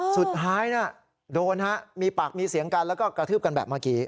สุดท้ายโดนฮะมีปากมีเสียงกันแล้วก็กระทืบกันแบบเมื่อกี้